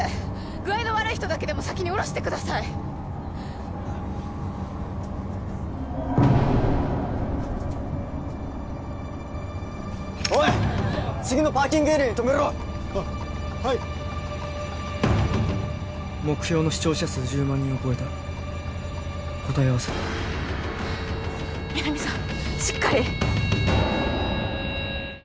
具合の悪い人だけでも先に降ろしてくださいおい次のパーキングエリアに止めろははい目標の視聴者数１０万人を超えた答え合わせだ皆実さん